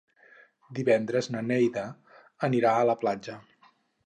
Divendres na Neida anirà a la platja.